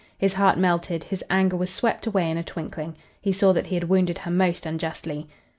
His heart melted, his anger was swept away in a twinkling. He saw that he had wounded her most unjustly.